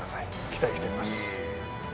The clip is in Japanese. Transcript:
期待しています。